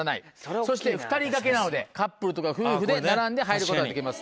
そして２人掛けなのでカップルとか夫婦で並んで入ることができます。